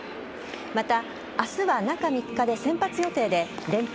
また、明日は中３日で先発予定で連敗